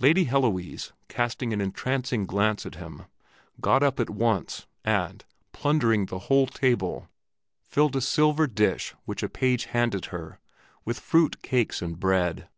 Lady Heloise, casting an entrancing glance at him, got up at once, and, plundering the whole table, filled a silver dish which a page handed her with fruit, cakes, and bread.